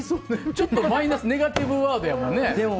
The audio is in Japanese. ちょっとマイナスネガティブワードですもんね。